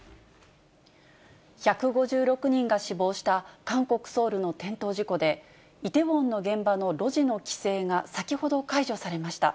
１５６人が死亡した韓国・ソウルの転倒事故で、イテウォンの現場の路地の規制が先ほど解除されました。